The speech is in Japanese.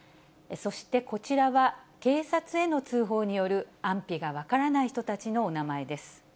そしてこちらは、警察への通報による安否が分からない人たちのお名前です。